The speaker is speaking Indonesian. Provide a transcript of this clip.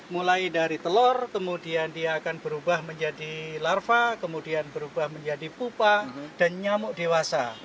mulai dari telur kemudian dia akan berubah menjadi larva kemudian berubah menjadi pupa dan nyamuk dewasa